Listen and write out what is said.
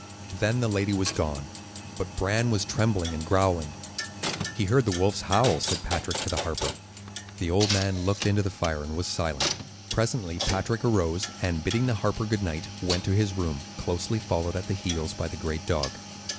Then the lady was gone; but Bran was trembling and growling. "He heard the wolves howl," said Patrick to the harper. The old man looked into the fire and was silent. Presently Patrick arose, and bidding the harper good night, went to his room, closely followed at the heels by the great dog.